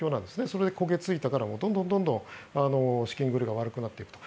それで焦げついたからどんどん資金繰りが悪くなっていくと。